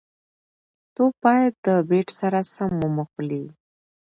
توپ باید د بېټ سره سم وموښلي.